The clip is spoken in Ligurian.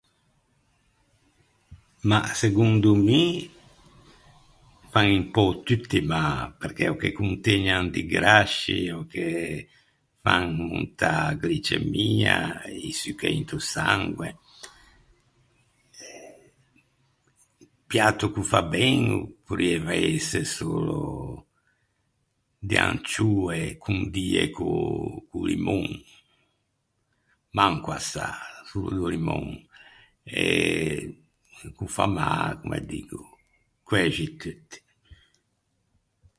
Mah segondo mi fan un pö tutti mâ, perché ò che contëgnan di grasci ò che fan da glicemia, i succai into sangue. Eh, piato ch’o fa ben porrieiva ëse solo de ancioe condie co-o limon, manco a sâ, solo do limon. E ch’o fa mâ, comme diggo, quæxi tutti.